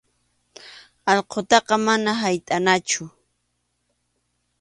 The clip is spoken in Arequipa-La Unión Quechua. Allqutaqa manam haytʼanachu.